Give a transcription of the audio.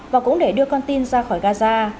và cũng để đưa con tin ra khỏi gaza